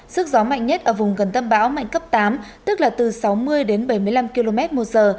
sức gió mạnh nhất ở vùng gần tâm bão mạnh cấp tám tức là từ sáu mươi đến bảy mươi năm km một giờ